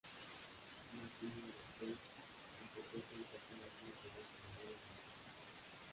Nacido en Aranjuez, completó su educación en el Real Seminario de Vergara.